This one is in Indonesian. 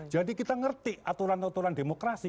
jadi kita ngerti aturan aturan demokrasi